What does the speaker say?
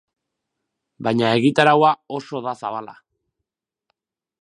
Baina egitaraua oso da zabala.